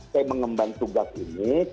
saya mengembang tugas ini